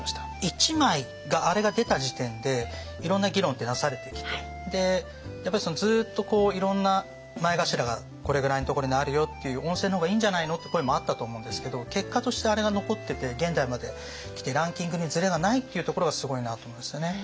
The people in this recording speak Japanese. １枚あれが出た時点でいろんな議論ってなされてきてやっぱりずっといろんな前頭がこれぐらいのところにあるよっていう温泉の方がいいんじゃないのって声もあったと思うんですけど結果としてあれが残ってて現代まで来てランキングにずれがないっていうところがすごいなと思いますよね。